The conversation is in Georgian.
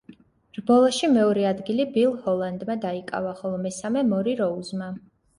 რბოლაში მეორე ადგილი ბილ ჰოლანდმა დაიკავა, ხოლო მესამე მორი როუზმა.